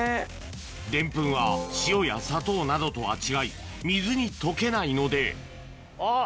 デンプンは塩や砂糖などとは違い水に溶けないのであっ。